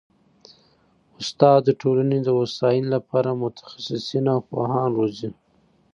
استاد د ټولني د هوسايني لپاره متخصصین او پوهان روزي.